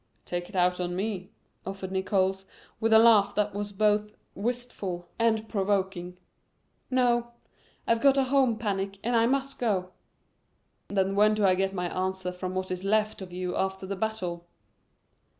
"Take it out on me," offered Nickols, with a laugh that was both wistful and provoking. "No, I've got a home panic and I must go." "Then when do I get my answer from what is left of you after the battle?"